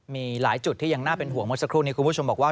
มีหลายจุดที่ยังน่าเป็นห่วงเมื่อสักครู่นี้คุณผู้ชมบอกว่า